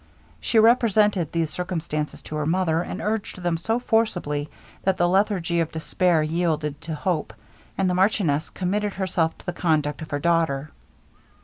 She represented these circumstances to her mother, and urged them so forcibly that the lethargy of despair yielded to hope, and the marchioness committed herself to the conduct of her daughter.